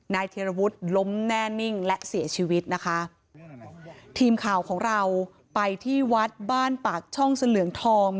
เทียรวุฒิล้มแน่นิ่งและเสียชีวิตนะคะทีมข่าวของเราไปที่วัดบ้านปากช่องเสลืองทอง